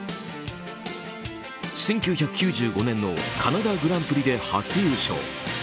１９９５年のカナダグランプリで初優勝。